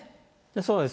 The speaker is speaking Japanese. そうです。